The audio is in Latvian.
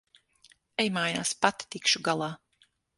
Ej mājās. Pati tikšu galā.